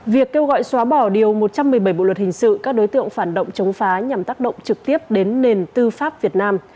việc kêu gọi xóa bỏ điều một trăm một mươi bảy bộ luật hình sự các đối tượng phản động chống phá nhằm tác động trực tiếp đến nền tư pháp việt nam